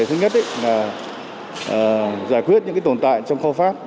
thứ nhất là giải quyết những tồn tại trong kho phát